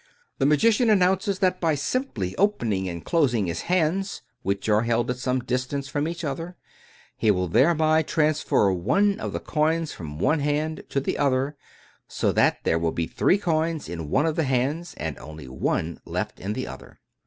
The magician announces that, by simply opening and closing his hands — which are held at some distance from each other — he will thereby transfer one of the coins from one hand to the other, so that there will be three coins in one of the hands, and only one left in the other.